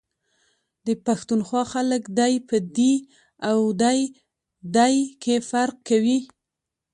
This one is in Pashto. د پښتونخوا خلک دی ، په دي او دی.دے کي فرق کوي ،